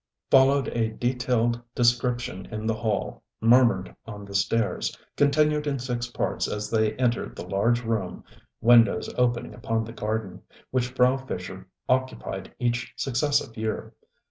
ŌĆØ Followed a detailed description in the hall, murmured on the stairs, continued in six parts as they entered the large room (windows opening upon the garden) which Frau Fischer occupied each successive year.